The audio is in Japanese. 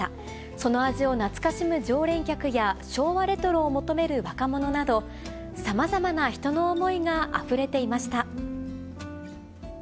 その味を懐かしむ常連客や、昭和レトロを求める若者など、さまざまな人の思いがあふれていました。